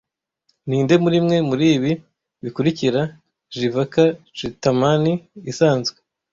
Ninde murimwe muribi bikurikira 'Jivaka Chintamani' isanzwe